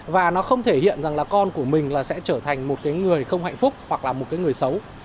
và nó không thể hiện rằng là con của mình sẽ trở thành một người không hạnh phúc hoặc là một người xấu